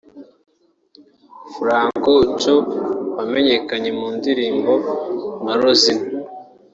Frank Joe wameneyekanye mu ndirimbo nka Rosinah